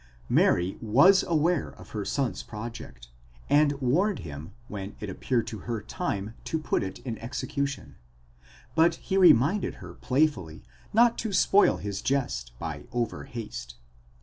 Mary was aware of her son's project, and warned him when it appeared to her time to put it in execution; but he reminded her playfully not to spoil his jest by over haste.